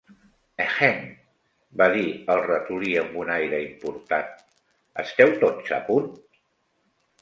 "Ehem!", va dir el ratolí amb un aire important, "esteu tots a punt"?